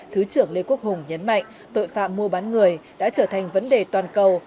thứ trưởng lê quốc hùng nhấn mạnh tội phạm mua bán người đã trở thành vấn đề toàn cầu